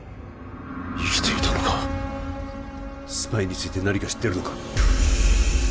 生きていたのかスパイについて何か知ってるのか